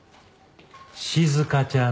静ちゃん